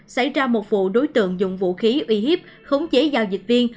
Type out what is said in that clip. xảy ra một vụ đối tượng dùng vũ khí uy hiếp khống chế giao dịch viên